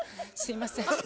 すいません。